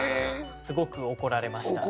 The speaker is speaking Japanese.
すごく怒られました。